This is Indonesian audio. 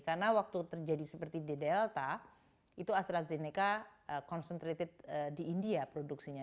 karena waktu terjadi seperti di delta itu astrazeneca concentrated di india produksinya